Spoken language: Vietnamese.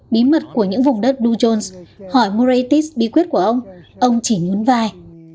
bí mật của những vùng đất blue jones hỏi moraitis bí quyết của ông ông chỉ nhuốn vai